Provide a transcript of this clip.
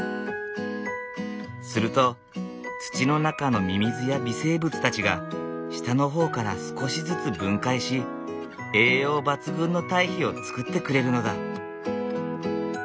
すると土の中のミミズや微生物たちが下の方から少しずつ分解し栄養抜群の堆肥を作ってくれるのだ。